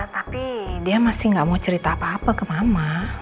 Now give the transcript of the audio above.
tapi dia masih gak mau cerita apa apa ke mama